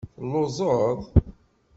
Telluẓeḍ?